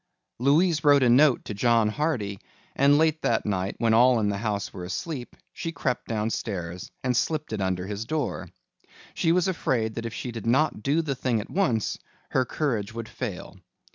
Louise wrote a note to John Hardy and late that night, when all in the house were asleep, she crept downstairs and slipped it under his door. She was afraid that if she did not do the thing at once her courage would fail.